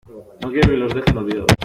No quiero que los dejen olvidados.